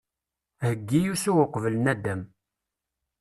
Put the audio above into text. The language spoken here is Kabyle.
Heggi usu uqbel naddam.